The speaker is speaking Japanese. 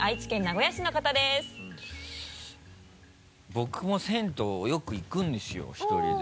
僕も銭湯よく行くんですよ１人で。